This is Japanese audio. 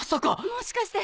もしかして！